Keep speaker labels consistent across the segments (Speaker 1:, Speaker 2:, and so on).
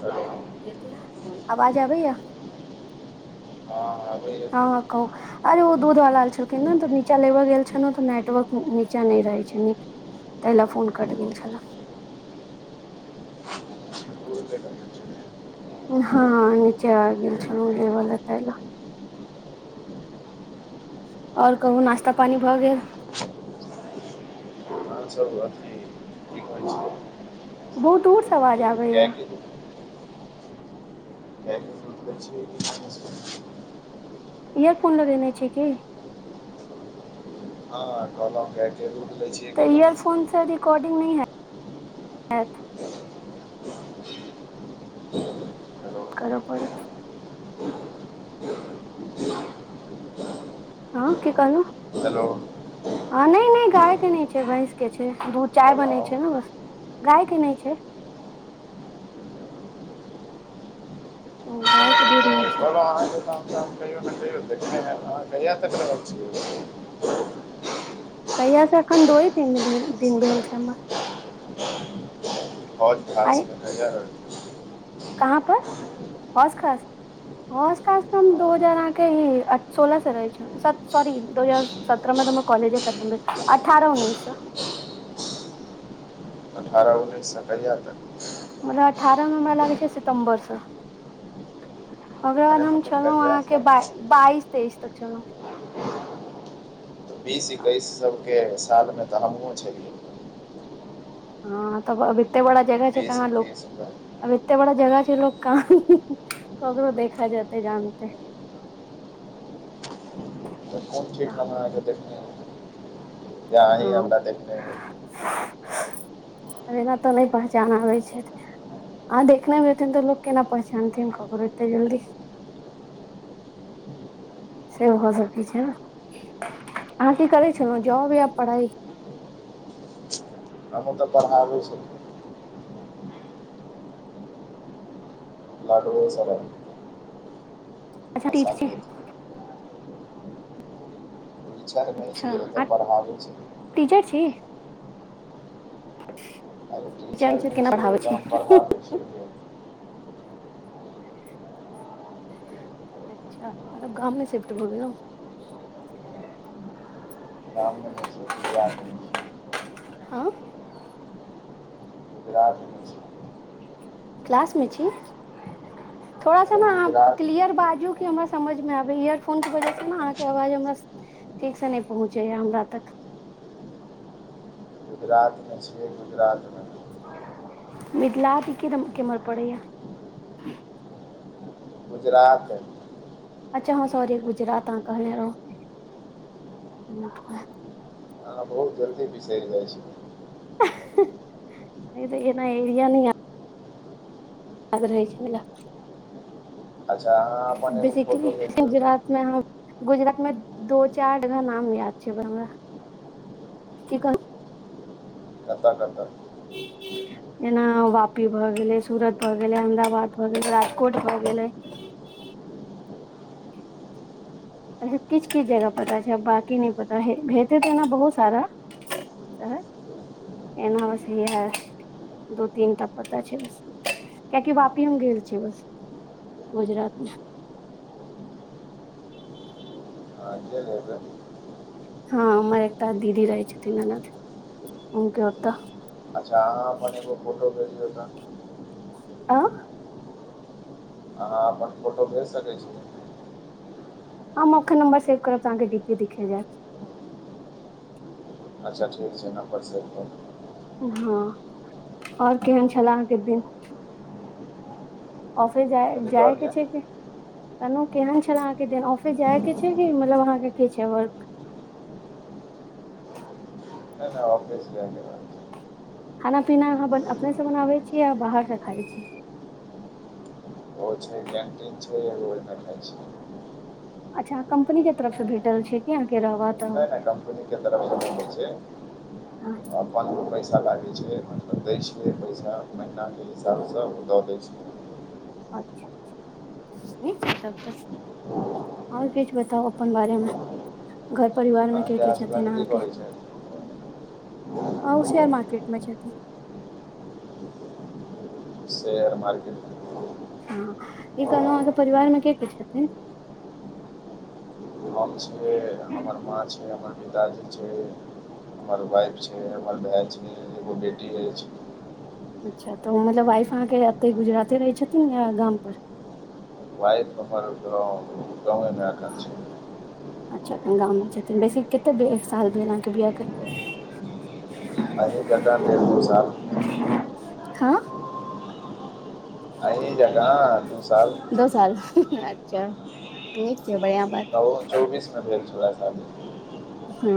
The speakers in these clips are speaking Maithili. Speaker 1: हेलो
Speaker 2: आवाज आबैया
Speaker 1: हां हां आबैय।
Speaker 2: कहुंक अरे ओ दूध वला आयल छलखिन नेय तऽ नीचा लेबे गेल छलै तऽ नेटवर्क नीचा नैय रहै छै, न तैय ले फोन कट गेल छल।
Speaker 1: कोइ क [inaudible]
Speaker 2: हां नीचे आ गेल छलहुॅं, दूध वला तएह दूआरे और कहूँ नास्ता पानी भऽ गेल।
Speaker 1: अहाँ सब बात हे ठीक कहै
Speaker 2: बहुत दूरसे आवाज आब
Speaker 1: कियाकि
Speaker 2: ईयरफोन लगेने छियै की
Speaker 1: हां कहलै गाय के दुध लैय छी।
Speaker 2: तऽ ईयरफोन से रिकॉर्डिंग नै हे-हेत।
Speaker 1: हेलो
Speaker 2: करऽ पड़त। आहाँ के कहलौ।
Speaker 1: हेलो।
Speaker 2: हँ नैय- नैय गायके नै छै भैंसके छै दू चाय बनै
Speaker 1: कहलहुँ
Speaker 2: छै ने बस। गाय के नै छै। गाय के दूध नै छै।
Speaker 1: [unintelligible] किहयो ने कहिया तक [unintelligible] आहाँ कहिया तक रहल छियै।
Speaker 2: कहिया से अखन दूए दीन भेल दिन भेल छै हमरा। आइ
Speaker 1: बिहार [unintelligible]
Speaker 2: कहाँ पर खस खास। [unintelligible] दू
Speaker 1: रहल
Speaker 2: हजार आहाँ के सोलह से रहै छियै। सत-सौरी दो हजार सत्रह में तो हमर कॉलेजे खत्म भेल अठारह उन्नीस सऽ।
Speaker 1: अठारह उन्नैस सऽ कहिया तक।
Speaker 2: मतलब अठारह मे हमरा लागै छै सितम्बर सऽ। ओकरा
Speaker 1: अरे
Speaker 2: बाद हम
Speaker 1: मतलब
Speaker 2: छेलै
Speaker 1: कहिया
Speaker 2: आहाँके
Speaker 1: तक
Speaker 2: बा- बाइस तेइस तक छेलौ।
Speaker 1: बीस एकैस सब के सालमे तऽ हमहुँ छेलियै।
Speaker 2: हँ तब अब एते बड़ा जगह छै
Speaker 1: बीस
Speaker 2: कहाँ लोक?
Speaker 1: एकैस
Speaker 2: अब एते बड़ा जगह छै लोक कहाँ ककरो देखऽ जेतेै जानतेै।
Speaker 1: कोन ठीक हम आहाँ के देखने हौय या अहिं
Speaker 2: हँ
Speaker 1: हमरा देखने होय।
Speaker 2: एना तऽ नै पहचान आबै छैत। आहाँ देखने हेबै तेहन तऽ लोक केना पहचानथिन ककरो ऐते जल्दी। से भऽ सकै छै आहाँ की करै छेलौ जॉब या पढ़ाइ।
Speaker 1: हमहुँ तऽ पढ़ाबैै छेलियेै। लाडोओ [unintelligible]
Speaker 2: अच्छा टीचर
Speaker 1: आसान
Speaker 2: छी
Speaker 1: [unintelligible] विचार नै
Speaker 2: अच्छा
Speaker 1: छ तऽ
Speaker 2: अहाँ
Speaker 1: पढ़ाबै छियै।
Speaker 2: टीचर छी।
Speaker 1: अरे टीचर नै
Speaker 2: केना
Speaker 1: छियै
Speaker 2: पढ़ाबै छी
Speaker 1: ओकरा हम पढ़ाबे छेलियेै।
Speaker 2: अच्छा और अब गाम मे शिफ्ट भऽ गेलौ।
Speaker 1: गाम मे नै छी गुजरात मे छी।
Speaker 2: हँ।
Speaker 1: गुजरात में छी।
Speaker 2: क्लास मे छी थोड़ा सा
Speaker 1: अरे
Speaker 2: ने आहाँ
Speaker 1: गुजरात
Speaker 2: क्लियर बाजू। इ हमरा समझ मे आबेै या इयरफोन के वजह से ने अहाँके आवाज हमरा ठीक से नहि पहुँचेै या हमरा तक।
Speaker 1: गुजरात मे छियै गुजरात।
Speaker 2: मिथला के केरम केम्हर पड़ैया।
Speaker 1: गुजरात।
Speaker 2: अच्छा हँ सॉरी गुजरात आहाँ कहने रहौं।
Speaker 1: आहाँ बहुत जल्दी बिसैर जाय छियै।
Speaker 2: हँ-हँ तऽ एना एरिया नै या। याद रहै छै नऽ।
Speaker 1: अच्छा आहाँ।
Speaker 2: बेसिकेली गुजरात में हम गुजरात में दो-चार जगह नाम याद छै, हम-हमरा की कह
Speaker 1: कतऽ-कतऽ
Speaker 2: जेना वापी भऽ गेलै, सूरत भऽ गेलै, अहमदाबाद भऽ गेलै, राजकोट भऽ गेलै अच्छा किछ-किछ जगह पता छै, बाकी नै पता हय भेतै तऽ ओना बहुत सारा। शहर
Speaker 1: [inaudible]
Speaker 2: एना बस इएहा दू-तीन टा पता छै बस, कियाकि वापी हम गेल छियै बस। गुजरात में
Speaker 1: तऽ गेल हेबै?
Speaker 2: हँ हमर एकटा दीदी रहै छतिन ननद, हुनके ओतऽ।
Speaker 1: अच्छा अहाँ अपन एगो फोटो भेजियौ तऽ।
Speaker 2: आं
Speaker 1: अहाँ अपन फोटो भेज सकै छी?
Speaker 2: हम अखन नंबर सेव करब तऽ अहाँ के डीपी दिखे जैत।
Speaker 1: अच्छा ठीक छै नंबर सेव कऽ
Speaker 2: हँ और केहन छेलाह अहाँके दिन? ऑफिस जा
Speaker 1: कथी
Speaker 2: जाए के
Speaker 1: कहलियै
Speaker 2: छै कि? कहनौ केहन छला अहाँ के दिन, ऑफिस जाय के छै कि मतलब अहाँके की छै वर्क,
Speaker 1: नै-नै ऑफिस जाइ के रहै छै।
Speaker 2: खाना-पीना अहाँ बन अपने स बनाबै छी या बाहर स खाइ छी?
Speaker 1: ओ छै कैंटीन छै ओय में खाइ छी।
Speaker 2: अच्छा कम्पनी के तरफ सँ भेटल छै? कि अहाँ के रहब?
Speaker 1: नै-नै कम्पनी के तरफ सँ नै होइ छै,
Speaker 2: हँ,
Speaker 1: अब पांच गो पैसा लागै छै, मतलब दै छियै पैसा, महिना के हिसाब सँ ओ दऽ दै छै।
Speaker 2: अच्छा-अच्छा नीक छै तब तऽ। और किछ बताउ अपन बारे में? घर परिवार में
Speaker 1: अहाँके
Speaker 2: के-के छथिन
Speaker 1: हसबैंड की
Speaker 2: अहाँके?
Speaker 1: करै छै
Speaker 2: अहुँ शेयर मार्केट में छथी
Speaker 1: शेयर मार्केट में [inaudible]
Speaker 2: हं ई कहलहुँ अहाँके परिवार में के-के छथिन?
Speaker 1: हम छियै, हमर माँ छै, हमर पिताजी छै हमर वाइफ छै, हमर भै छै, एगो बेटी अइछ।
Speaker 2: अच्छा तऽ ओ मतलब वाइफ अहाँके अतेय गुजराते रहै छथिन या गाम पर?
Speaker 1: वाइफ हमर गाँव गाँव, में अखन छै।
Speaker 2: अच्छा गाम में छथिन बेसी केतेक एक साल भेल अहाँके बियाह के?
Speaker 1: अरे ज्यादा नै दू साल।
Speaker 2: [inaudible] हँ
Speaker 1: अहीं जकाँ दू साल।
Speaker 2: दू साल अच्छा नीक छै बढ़िया बात।
Speaker 1: त ओ चौबीस में भेल छेला शादी।
Speaker 2: हँ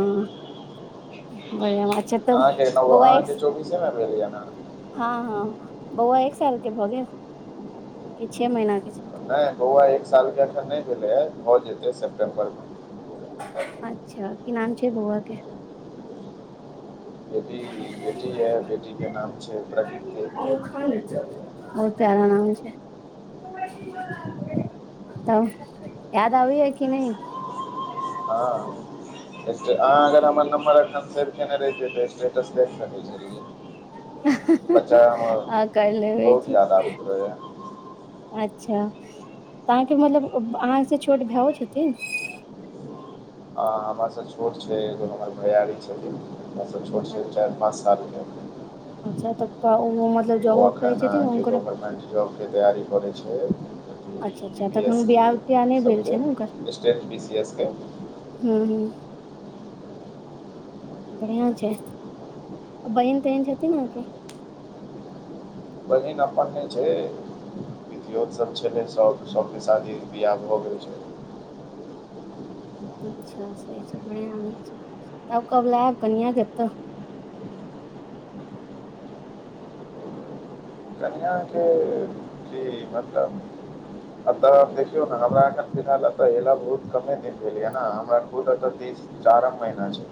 Speaker 2: बढ़ियां बात। छै तब
Speaker 1: अहाँके न
Speaker 2: बौआ एक
Speaker 1: अहाँके चौबीसे मे भेलै य न?
Speaker 2: हँ हँ बौआ एक साल के भऽ गेल? ई छे महिनाके छथि।
Speaker 1: नहि बौआ एक साल के अखन नै भेले, भऽ जेतै सेपटेम्बर मे।
Speaker 2: अच्छा, की नाम छै बौआ के?
Speaker 1: बेटी, बेटी है बेटी के नाम छै प्रकृति।
Speaker 2: [unintelligible] होते आब आराम। तब याद आबैइये की नहि।
Speaker 1: हँ अहाँ अगर हमर नम्बर अखन सेव केने रहितियै, तऽ स्टे टस देख सकै छलियै, बच्चा आइ हमर
Speaker 2: हँ कर लेबे
Speaker 1: बहुत
Speaker 2: छी
Speaker 1: याद आब रहै।
Speaker 2: अच्छा। तऽ अहाँके मतलब अहाँ स छोट भेयो छथिन?
Speaker 1: ह कहमरासँ छोट छै, एगो हमर भैयारी छथिन हमरा सँ छोट छै, चैर पांच साल के।
Speaker 2: अच्छा तब त ओ उमर
Speaker 1: ओ अखैन अहाँके गवर्नमेंट जॉबके तैयारी करै छै।
Speaker 2: अच्छा
Speaker 1: बी
Speaker 2: अच्छा
Speaker 1: पी एस
Speaker 2: तखन बियाह
Speaker 1: सी
Speaker 2: तियाह नहि भेल छै
Speaker 1: सबके,
Speaker 2: ने
Speaker 1: स्टेट बी सी एस के।
Speaker 2: हू - हू। बढ़िआ छै, बहिन - तहिन छथिन अहाँके?
Speaker 1: बहिन अपन‌ ने छै, पितियौत सब छलै सब सबके शादी बियाह भ गेलै।
Speaker 2: अच्छा। सही छै बढ़िआँ नीक छै, तब कब लाएब कनिया के एतऽ?
Speaker 1: कनिया के जी मतलब अत आब देखियौ न हमरा अखन फिलहाल अतऽ एला बहुत कमे दिन भेलै ये न, हमरा पूरा तऽ तीस चारम महीना छै,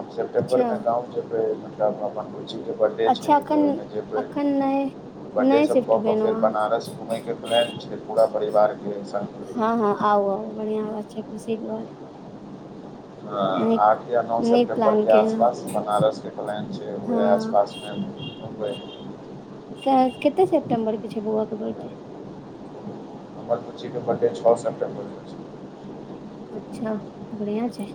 Speaker 1: हम सेप्टेम्बर
Speaker 2: अच्छा
Speaker 1: मे गाँव जेबै। तब मामा बुच्ची के बडे छै,
Speaker 2: अच्छा
Speaker 1: तऽ
Speaker 2: एखन
Speaker 1: ओहिमे जेबै।
Speaker 2: एखन नहि
Speaker 1: बडडे
Speaker 2: नहि
Speaker 1: सब
Speaker 2: शिफ्ट
Speaker 1: कऽ कऽ फेर
Speaker 2: भेलहुँ
Speaker 1: बनारस घूमैके प्लान छै, पूरा परिवारके संग।
Speaker 2: ह - ह आउ - आउ बढ़िआँ बात छै, खुशी के बात।
Speaker 1: ह
Speaker 2: नीक
Speaker 1: आठ या नौ
Speaker 2: नीक
Speaker 1: सेप्टेम्बर
Speaker 2: प्लान
Speaker 1: के आस
Speaker 2: केलहुँ
Speaker 1: पास बनारस के प्लान छै, ओहे आस
Speaker 2: हँ
Speaker 1: पास मे। घुमबै।
Speaker 2: तहैन कते सेप्टेम्बर के छै, बौआ के बडे?
Speaker 1: हमर बुच्ची के बडे छ सेप्टेम्बर कऽ होय छै।
Speaker 2: अच्छा बढ़िआ छै,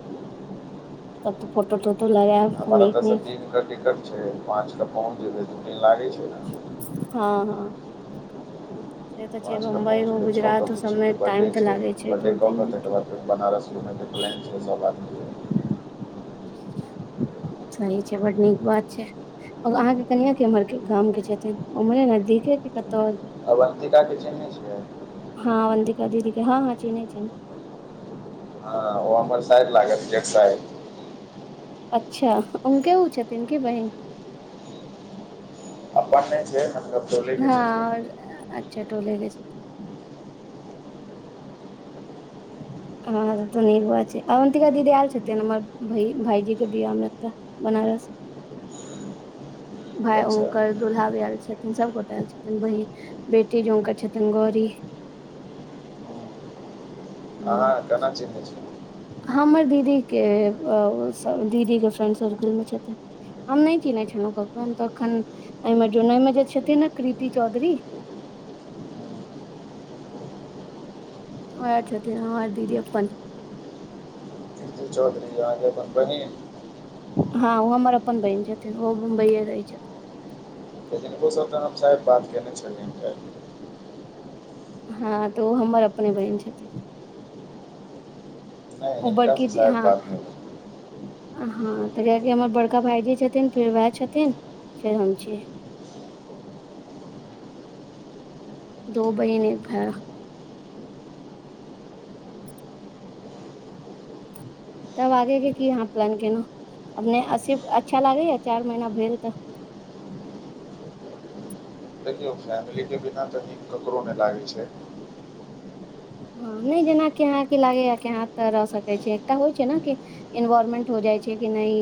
Speaker 2: तब तऽ फोटो - तोटो लगेब नीक- नीक।
Speaker 1: ज टिकट छै, पांच कऽ पहुंच जेबै दु दिन लागै छै। ने
Speaker 2: ह - ह।
Speaker 1: पाँच क
Speaker 2: बम्बई हो
Speaker 1: पहुँचबै छ कऽ
Speaker 2: गुजरात हो
Speaker 1: बुच्ची
Speaker 2: सबमे
Speaker 1: के बर्डे
Speaker 2: टाइम तऽ
Speaker 1: छै
Speaker 2: लागे
Speaker 1: बर्डे
Speaker 2: दू
Speaker 1: कऽ
Speaker 2: तीन
Speaker 1: के
Speaker 2: दिन
Speaker 1: तकर बाद बनारस घुमै के प्लेन छै, सब आदमी के।
Speaker 2: सही छै, बड नीक बात छै। और अहाँके कनिया केम्हर के गाम के छथिन, उम्हरे नजदीके के कतो और?
Speaker 1: अवन्तिका के चिन्है छियै?
Speaker 2: हाँ अवन्दिका दीदी के ह - ह चीन्है छियैन।
Speaker 1: ह ओ हमर साइर लागत जेठ साइर।
Speaker 2: अच्छा। उनके ओ छथिन कि बहिन?
Speaker 1: अपन नै छै, मतलब टोले के
Speaker 2: हँ
Speaker 1: छथिन।
Speaker 2: और अच्छा। टोलेके छथिन। ह - ह तब त नीक बात छै, अवन्तिका दीदी आयल छथिन हमर भइ भाइजी के बियाहमे एतऽ। बनारस।
Speaker 1: [inaudible]
Speaker 2: भाय
Speaker 1: अच्छा
Speaker 2: उंकर दुल्हा भी एल छथि खैन सब गोटा एल छथिन बहीन बेटी जे उनकर छथिन गौरीह।
Speaker 1: अहाँ
Speaker 2: हूं,
Speaker 1: केना चिन्है छियैन?
Speaker 2: हमर दीदी के ओ स दीदीे के फ्रेंड सर्कल मे छथिन। हम नै चिन्है छलहुँ कको हम तखन एहिमे जोनल मे जे छथिन ने कृति चौधरी ओहेए छथिन हमर दीदी अप्पन।
Speaker 1: कीर्ति चौधरी अहांके अपन बहिन,
Speaker 2: हँ ओ हमर अप्पन बहिन छथिन ओ मुंबईये रहै छथिन।
Speaker 1: हिनको सब स हम शायद बात केने छलियैन काइल्ह।
Speaker 2: हँ त ओ हमर अपने बहिन छथिन।
Speaker 1: नहि
Speaker 2: ओ बड़की
Speaker 1: हिनकासँ
Speaker 2: दी
Speaker 1: शायद
Speaker 2: हँ।
Speaker 1: बात नहि भेल
Speaker 2: हँ त कियाकि हमर बड़का भाईजी छथिन फेर वेएह छथिन फेर हम छीयै। दो बहिन एक भेए।
Speaker 1: [inaudible]
Speaker 2: तब आगे के की अहाँ प्लान केेलहु? अपने असीफ अच्छा लागैये चार महीना भेल तऽ
Speaker 1: देखियौ फैमिली के बिना त नीक ककरो ने लागै छै।
Speaker 2: हँ नहि जेना कि अहां की लागैये कि अहां एतऽ रह सकै छी एकटा होइ छै न कि एन्वार्मेंट हो जाइ छै कि नइ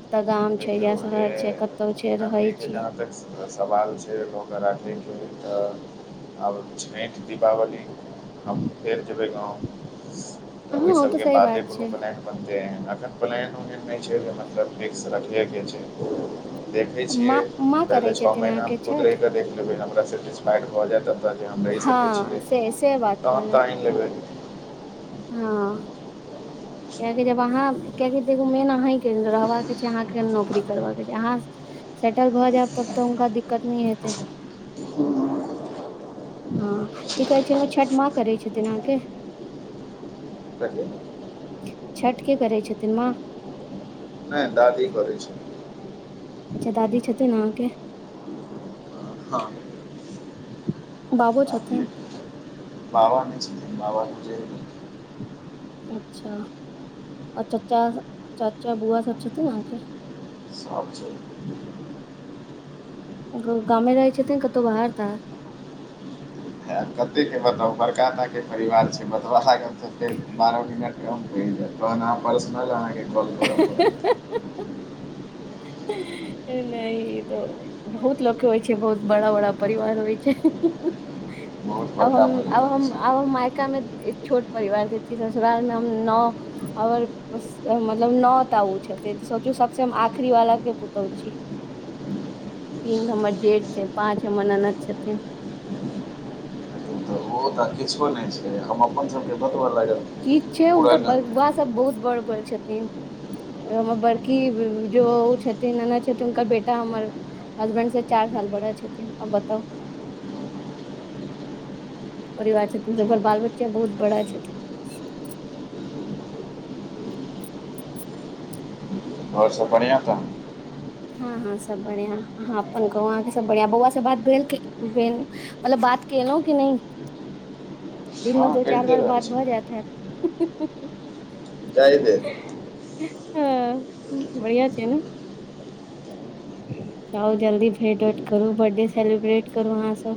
Speaker 2: एतऽ गाम छै या शहर छै कत तौ छै रहत
Speaker 1: की के जहाँ तक सवाल छै भ के राखै के तऽ आब छैठ दीपावली, हम फेर जेबै गाँव तऽ
Speaker 2: हँ
Speaker 1: ओहि
Speaker 2: ओ
Speaker 1: सबके
Speaker 2: सही
Speaker 1: बादे
Speaker 2: बात
Speaker 1: कोनो
Speaker 2: छै
Speaker 1: प्लेन एखन प्लेन ओहेन नहि छै मतलब फिक्स रखहे के छै देखै
Speaker 2: माँ माँ
Speaker 1: पहले
Speaker 2: करै
Speaker 1: छअ
Speaker 2: छथिन
Speaker 1: महीना हम
Speaker 2: अहाँके
Speaker 1: खुद रहि
Speaker 2: छठि
Speaker 1: के देख लेबै हमरा सेटिस्फाइड भ जेएत त जे हम रहि सकै
Speaker 2: हँ
Speaker 1: छियै
Speaker 2: से से बात
Speaker 1: तहन त
Speaker 2: कहलहुँ
Speaker 1: आइन लेबइ।
Speaker 2: हँ। कियाकि जब अहाँ कियकि देखू मेन अहींके रहबाक छै अहाँके नौकरी करबाक छै अहाँ सेटल भऽ जायब तब तऽ हुनका दिक्कत नै हेतैन। हँ ई कहै छलौं छठ मां करै छथिन अहाँके।
Speaker 1: कथी
Speaker 2: छठ के करै छथिन माँ?
Speaker 1: नै दादी करइ छथि।
Speaker 2: अच्छा दादी छथिन अहाँके। बाबो छथिन
Speaker 1: बाबा नै छथिन बाबा गुजैर गेल छथिन।
Speaker 2: अच्छा और चच्चा चाचा बुआ सब छथिन अहाँके?
Speaker 1: सब छै।
Speaker 2: ग-ग-गामे रहै छथिन कतहु बाहर ताहर?
Speaker 1: कते के बताउ बड़का टा के परिवार छै बतबऽ लागब त फेर बारह मिनट कम पड़ि जायत तहन आहां पर्सनल अहांके कॉल करऽ पड़त।
Speaker 2: नहि तऽ बहुत लोक के होइ छै बहुत बड़ा - बड़ा परिवार होइ छै।
Speaker 1: बहुत
Speaker 2: आब
Speaker 1: बड़का
Speaker 2: हम्म - आब
Speaker 1: परिवार
Speaker 2: हम्म -
Speaker 1: छै
Speaker 2: आब हम मायका मे एक छोट परिवार से छी ससुराल मे हम नौ हमर मतलब नौ टा ओ छथिन सोचु सबसँ आखिरी बला के पूतोहु छी तीन हम्मर जेठ छै पाँच हम्मर ननद छथिन।
Speaker 1: त किछो नहि छै हम अपन सब के बतब लागत
Speaker 2: ठीक छै हुनकर बऊआ सभ बहुत बड़ बड़ छथिन। अ हमर बड़की जो ऊ छथिन ननद छथिन हुनकर बेटा हमर हसबैंड से चार साल बड़ा छथिन अब बताउ परिवार छथिन जेकर बाल बच्चा बहुत बड़ा छथिन।
Speaker 1: आओर सब बढ़िआँ तहन?
Speaker 2: हँ हँ सब बढ़िया अहाँ अपन कहू अहाँके सब बढ़िया बौआ से बात भेल कि भेल मतलब बात केलहु कि नहि?
Speaker 1: [inaudible]
Speaker 2: दिनमे दो चार
Speaker 1: करिते
Speaker 2: बार बात
Speaker 1: रहै छी
Speaker 2: भऽ जात हैत हुँ हुँ
Speaker 1: जाहि देत
Speaker 2: हाँ बढ़िआ छैय न जाउ जल्दी भेंट वेट करू बर्थडे सेलिब्रेट करू अहाँ सब।